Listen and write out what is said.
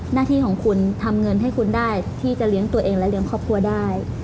หน้าที่ของคุณทำเงินให้คุณได้ที่จะเลี้ยงตัวเองและเลี้ยงครอบครัวได้